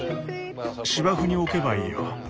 芝生に置けばいいよ。